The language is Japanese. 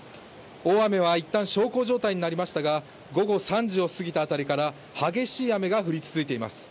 大雨は一旦、小康状態になりましたが、午後３時をすぎた辺りから激しい雨が降り続いています。